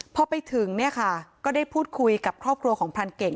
พอไปถึงเนี่ยค่ะก็ได้พูดคุยกับครอบครัวของพรานเก่ง